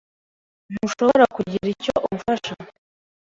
Ntushobora kugira icyo umfasha?